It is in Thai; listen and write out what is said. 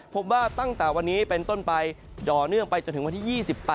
พบว่าตั้งแต่วันนี้เป็นต้นไปต่อเนื่องไปจนถึงวันที่๒๘